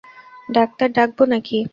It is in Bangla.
ডাক্তার ডাকবো নাকি?